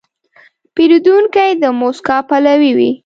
پیرودونکی د موسکا پلوی وي.